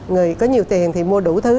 người có nhiều tiền thì mua đủ thứ